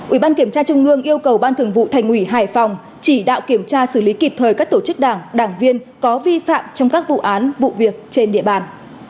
ủy ban kiểm tra trung ương yêu cầu ban thường vụ thành ủy hải phòng chỉ đạo kiểm tra xử lý kịp thời các tổ chức đảng đảng viên có vi phạm trong các vụ án vụ việc trên địa bàn